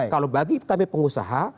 kalau bagi kami pengusaha